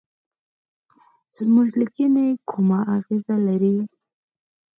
زموږ لیکني کومه اغیزه لري.